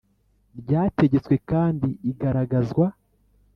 Ryategetswe kandi igaragazwa